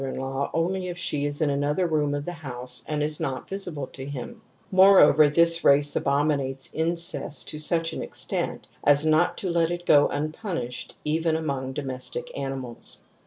II, p. 385. 22 TOTEM AND TABOO to his mother in law only if she is in another room of the house and is not visible to him. Moreover, (this race abominates incest to such an extent as not to let it go unpunished even among domestic animals ^®.